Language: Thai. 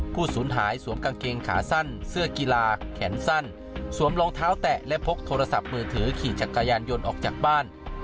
สูญหายสวมกางเกงขาสั้นเสื้อกีฬาแขนสั้นสวมรองเท้าแตะและพกโทรศัพท์มือถือขี่จักรยานยนต์ออกจากบ้าน